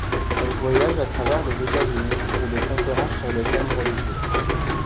Elle voyage à travers les États-Unis pour des conférences sur des thèmes religieux.